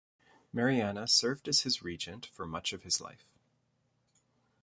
Mariana served as his regent for much of his life.